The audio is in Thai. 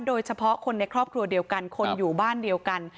โดยเฉพาะคนในครอบครัวเดียวกันคนอยู่บ้านเดียวกัน